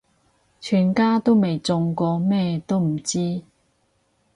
全家都未中過咩都唔知